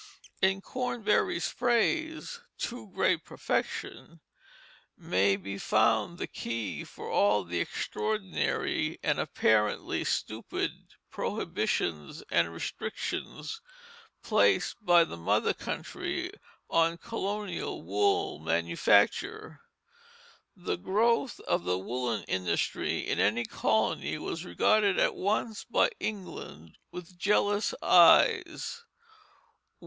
In Cornbury's phrase, "too great perfection," may be found the key for all the extraordinary and apparently stupid prohibitions and restrictions placed by the mother country on colonial wool manufacture. The growth of the woollen industry in any colony was regarded at once by England with jealous eyes.